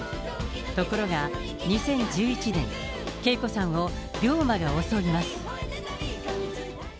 ところが、２０１１年、ＫＥＩＫＯさんを病魔が襲います。